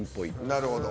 なるほど。